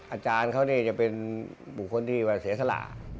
อาจารย์เขานี่จะเป็นบุคคลที่ว่าเสียสละ